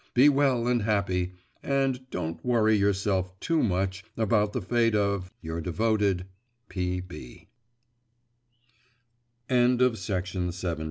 Be well and happy, and don't worry yourself too much about the fate of your devoted, P. B.